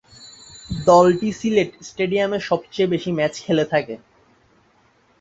দলটি সিলেট স্টেডিয়ামে সবচেয়ে বেশি ম্যাচ খেলে থাকে।